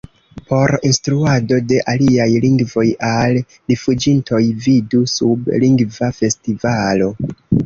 Por instruado de aliaj lingvoj al rifuĝintoj: vidu sub Lingva Festivalo.